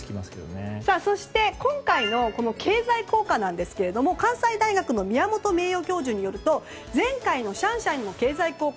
そして、今回の経済効果ですけれども関西大学の宮本名誉教授によると前回のシャンシャンの経済効果